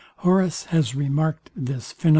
Horace has remarked this phænomenon.